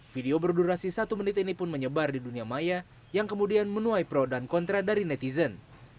video berdurasi satu menit ini pun menyebar di dunia maya yang kemudian menuai pro dan kontra dari netizen